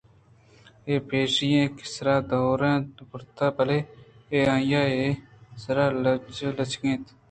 اے پِشّیءَ آئی ءِ سرا دور نہ کُتگ اَت بلکیں اے آئی ءِ سرا لِچیتگ اَت